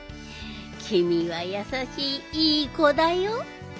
きみはやさしいいいこだよ。